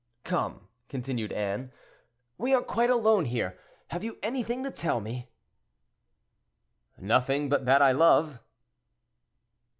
"Come," continued Anne, "we are quite alone here; have you anything to tell me?" "Nothing, but that I love."